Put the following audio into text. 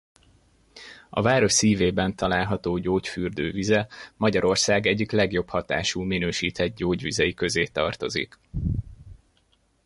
A város szívében található gyógyfürdő vize Magyarország egyik legjobb hatású minősített gyógyvizei közé tartozik.